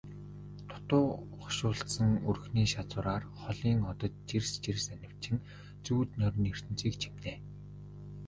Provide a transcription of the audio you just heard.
Дутуу хошуулдсан өрхний шазуураар холын одод жирс жирс анивчин зүүд нойрны ертөнцийг чимнэ.